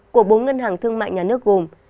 của bốn ngân hàng thương mại nhà nước gồm